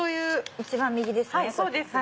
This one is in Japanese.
一番右ですね。